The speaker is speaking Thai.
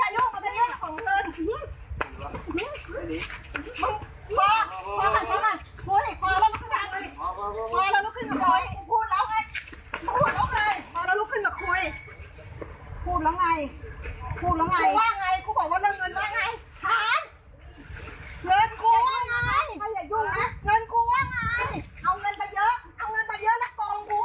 เงินกูว่าไงเอาเงินไปเยอะเอาเงินไปเยอะแล้วโปรงกูหรอ